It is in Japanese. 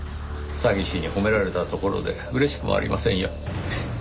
詐欺師に褒められたところで嬉しくもありませんよ。